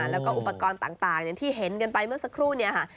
แล้วก็อุปกรณ์ต่างอย่างที่เห็นกันไปเมื่อสักครู่เนี่ยค่ะ